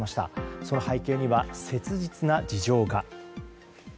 その背景には、切実な事情が。